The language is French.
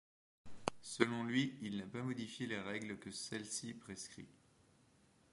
Selon lui, il n'a pas modifié les règles que celle-ci prescrit.